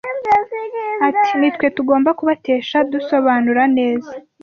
Ati “Nitwe tugomba kubatesha dusobanura neza